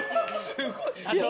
すごい。